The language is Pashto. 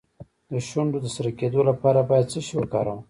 د شونډو د سره کیدو لپاره باید څه شی وکاروم؟